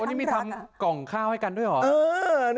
นี่มีทั้งกล่องข้าวให้กับกินนี่นะ